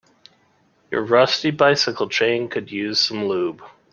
Your rusty bicycle chain could use some lube.